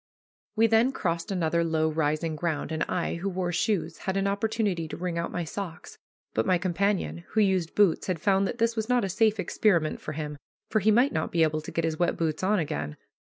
We then crossed another low rising ground, and I, who wore shoes, had an opportunity to wring out my stockings, but my companion, who used boots, had found that this was not a safe experiment for him, for he might not be able to get his wet boots on again.